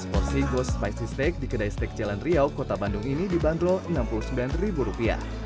seratus porsi ghost spicy steak di kedai steak jalan riau kota bandung ini dibanderol rp enam puluh sembilan